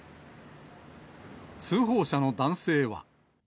通報者の男性は。